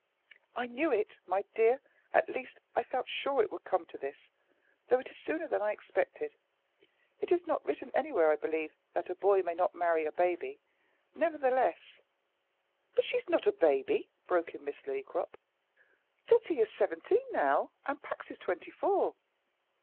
"I knew it, my dear at least I felt sure it would come to this, though it is sooner than I expected. It is not written anywhere, I believe, that a boy may not marry a baby, nevertheless " "But she's not a baby," broke in Miss Lillycrop. "Tottie is seventeen now, and Pax is twenty four.